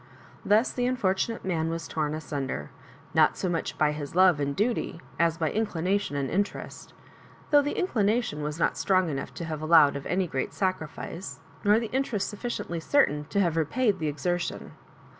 Thus the un fortunate man was torn asunder, not so much by love and duty, as by inclination and interest, though the inclination was not strong enough to liHve allowed of any great sacrifice, nor the inter est sufficiently certainv to have repaid the exer tion.